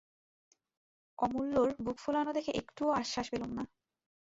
অমূল্যর বুক-ফোলানো দেখে একটুও আশ্বাস পেলুম না।